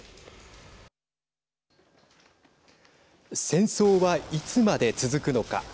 戦争はいつまで続くのか。